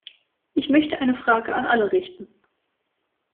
Ich möchte eine Frage an alle richten.